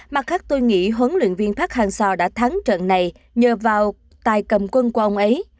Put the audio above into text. mặt khác tôi nghĩ huấn luyện viên park hang seo đã thắng trận này nhờ vào tài cầm quân của ông ấy